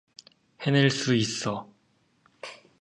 해낼 수 있어.